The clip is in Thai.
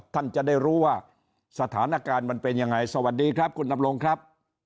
ท่านจะได้รู้ว่าสถานการณ์มันเป็นยังไงสวัสดีครับคุณดำรงครับ